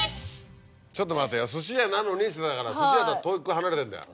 ちょっと待てよ寿司屋なのにっつってたから寿司屋とは遠く離れてんだよ。